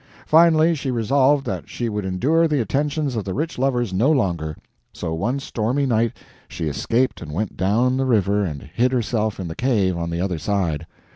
Finally, she resolved that she would endure the attentions of the rich lovers no longer; so one stormy night she escaped and went down the river and hid herself in the cave on the other side.